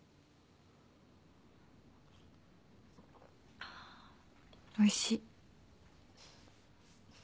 あおいしい。